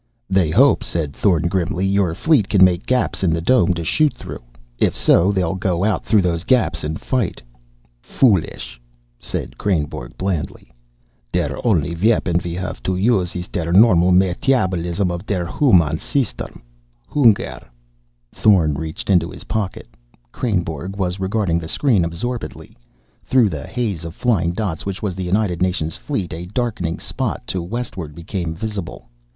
"They hope," said Thorn grimly, "your fleet can make gaps in the dome to shoot through. If so, they'll go out through those gaps and fight." "Foolish!" said Kreynborg blandly. "Der only weapon we haff to use is der normal metabolism of der human system. Hunger!" Thorn reached into his pocket. Kreynborg was regarding the screen absorbedly. Through the haze of flying dots which was the United Nations fleet, a darkening spot to westward became visible.